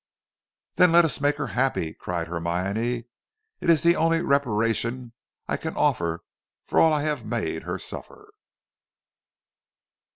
"Then let us make her happy," cried Hermione. "It is the only reparation I can offer for all I have made her suffer."